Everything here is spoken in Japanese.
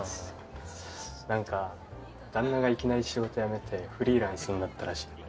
なんか旦那がいきなり仕事辞めてフリーランスになったらしいよ。